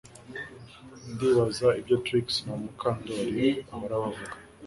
Ndibaza icyo Trix na Mukandoli bahora bavuga